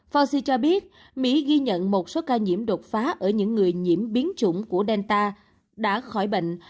forci cho biết mỹ ghi nhận một số ca nhiễm đột phá ở những người nhiễm biến chủng của delta đã khỏi bệnh